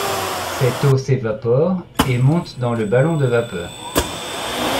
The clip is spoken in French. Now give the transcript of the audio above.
Cette eau s'évapore et monte dans le ballon de vapeur.